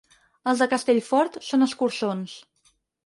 Els de Castellfort són escurçons.